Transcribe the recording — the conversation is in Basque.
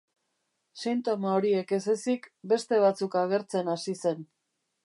Sintoma horiek ez ezik, beste batzuk agertzen hasi zen.